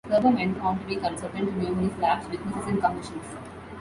Serber went on to be consultant to numerous labs, businesses, and commissions.